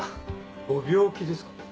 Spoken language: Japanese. ご病気ですか？